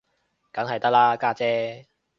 梗係得啦，家姐